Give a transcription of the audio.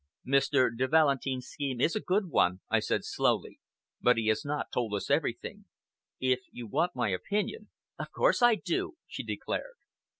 "Mr. de Valentin's scheme is a good one," I said slowly, "but he has not told us everything. If you want my opinion " "Of course I do," she declared.